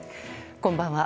こんばんは。